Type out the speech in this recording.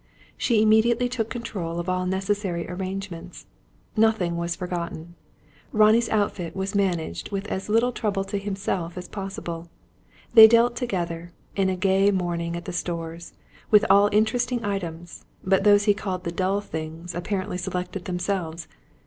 She immediately took control of all necessary arrangements. Nothing was forgotten. Ronnie's outfit was managed with as little trouble to himself as possible. They dealt together, in a gay morning at the Stores, with all interesting items, but those he called "the dull things" apparently selected themselves.